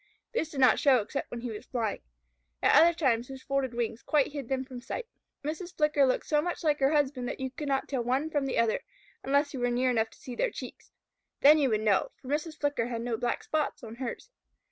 These did not show except when he was flying. At other times his folded wings quite hid them from sight. Mrs. Flicker looked so much like her husband that you could not tell one from the other, unless you were near enough to see their cheeks. Then you would know, for Mrs. Flicker had no black spots on hers.